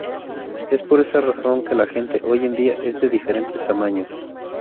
Es por esa razón que la gente hoy en día es de diferentes tamaños.